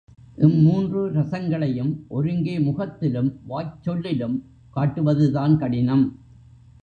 இம் மூன்று ரசங்களையும் ஒருங்கே முகத்திலும், வாய்ச் சொல்லிலும் காட்டுவதுதான் கடினம்.